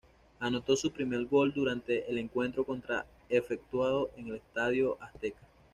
Anotó su primer gol durante el encuentro contra efectuado en el Estadio Azteca.